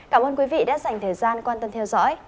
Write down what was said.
cảm ơn quý vị đã dành thời gian quan tâm theo dõi